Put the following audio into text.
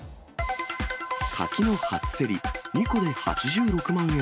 柿の初競り、２個で８６万円。